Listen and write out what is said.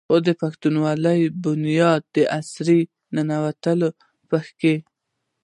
خو د پښتونولۍ بنيادي عنصر "ننواتې" پکښې